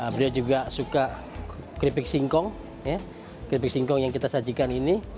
beliau juga suka keripik singkong keripik singkong yang kita sajikan ini